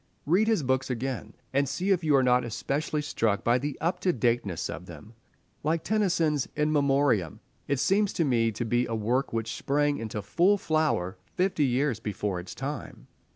Read his books again, and see if you are not especially struck by the up to dateness of them. Like Tennyson's "In Memoriam," it seems to me to be work which sprang into full flower fifty years before its time.